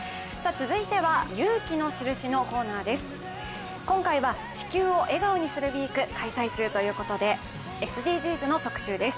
続いては「勇気のシルシ」のコーナーです。